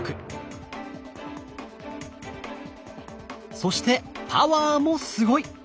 そしてパワーもすごい！